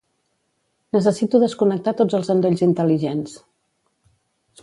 Necessito desconnectar tots els endolls intel·ligents.